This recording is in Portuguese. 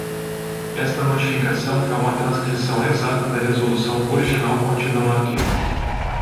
Esta notificação é uma transcrição exata da resolução original contida no arquivo.